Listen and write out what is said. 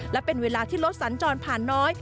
และเป็นเวลาที่รถสัญจรผ่านน้อย